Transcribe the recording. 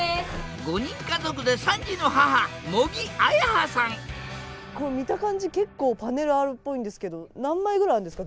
５人家族で３児の母茂木文葉さん見た感じ結構パネルあるっぽいんですけど何枚ぐらいあるんですか？